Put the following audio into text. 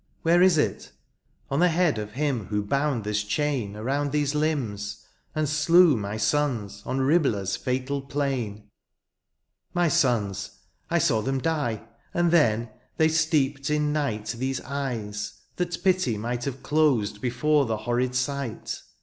Where is it ? On the head^ Of him who bound this chain Around these limbs^ and slew my sons On Riblah^s fatal plain. THE CAPTIVE KING. 189 My sons ;— I saw them die ; And then they steeped in night These eyes^ that pity might have closed Before the horrid sight.